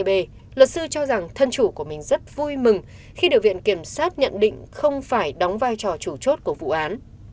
b luật sư cho rằng thân chủ của mình rất vui mừng khi được viện kiểm sát nhận định không phải đóng vai trò chủ chốt của vụ án